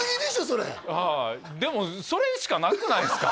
それはいでもそれしかなくないっすか？